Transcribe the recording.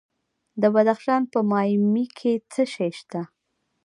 د بدخشان په مایمي کې څه شی شته؟